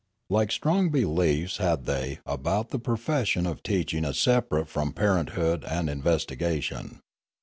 Like strong beliefs had they about the profession of teaching as separate from parenthood and investigation.